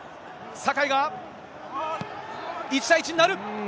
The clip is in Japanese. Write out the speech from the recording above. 酒井が１対１になる。